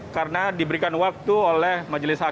karena diberikan waktu oleh majelis hakim